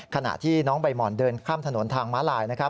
ขณะที่น้องใบหมอนเดินข้ามถนนทางม้าลายนะครับ